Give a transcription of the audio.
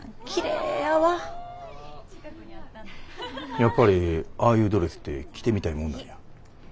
やっぱりああいうドレスって着てみたいもんなんや。